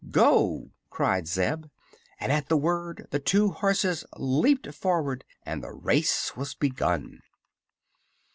"Go!" cried Zeb; and at the word the two horses leaped forward and the race was begun.